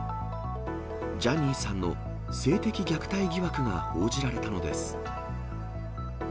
ジャニーさんの性的虐待疑惑が報じられたのです。